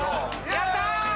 「やったー！